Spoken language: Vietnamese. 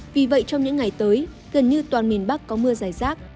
vì vậy trong những ngày tới gần như toàn miền bắc có mưa dài rác